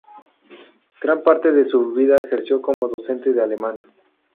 Gran parte de su vida ejerció como docente de alemán.